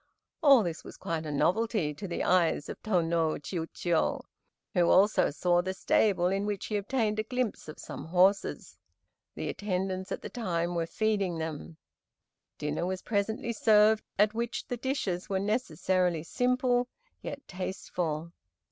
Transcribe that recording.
All this was quite a novelty to the eyes of Tô no Chiûjiô, who also saw the stable in which he obtained a glimpse of some horses. The attendants at the time were feeding them. Dinner was presently served, at which the dishes were necessarily simple, yet tasteful.